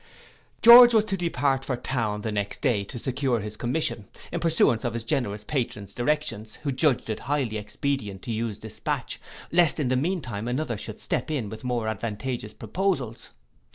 George was to depart for town the next day to secure his commission, in pursuance of his generous patron's directions, who judged it highly expedient to use dispatch, lest in the mean time another should step in with more advantageous proposals.